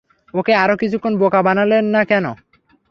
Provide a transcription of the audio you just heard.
ওকে আরো কিছুক্ষণ বোকা বানালেন না কেন?